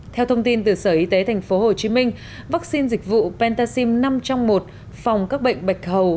theo thông tin từ sở y tế tp hcm vaccine dịch vụ pentaxim năm trong một phòng các bệnh bạch hầu